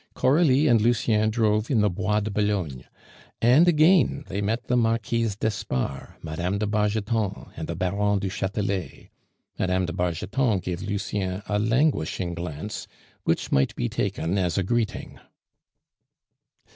Coralie and Lucien drove in the Bois de Boulogne, and again they met the Marquise d'Espard, Mme. de Bargeton and the Baron du Chatelet. Mme. de Bargeton gave Lucien a languishing glance which might be taken as a greeting.